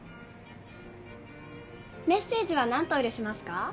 メッセージは何とお入れしますか？